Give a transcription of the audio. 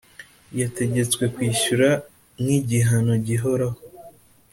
Yategetswe kwishyura nk‘igihano gihoraho